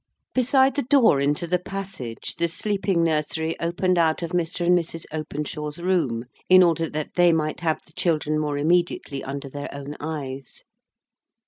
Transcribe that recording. Beside the door into the passage, the sleeping nursery opened out of Mr. and Mrs. Openshaw's room, in order that they might have the children more immediately under their own eyes.